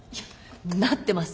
なってます。